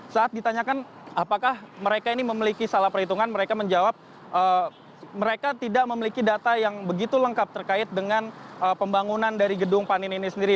saat ditanyakan apakah mereka ini memiliki salah perhitungan mereka menjawab mereka tidak memiliki data yang begitu lengkap terkait dengan pembangunan dari gedung panin ini sendiri